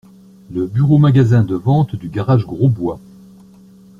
Le bureau-magasin de vente du garage Grosbois.